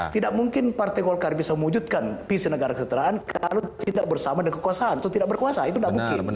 tidak mungkin partai golkar bisa mewujudkan visi negara kesejahteraan kalau tidak bersama dengan kekuasaan atau tidak berkuasa itu tidak mungkin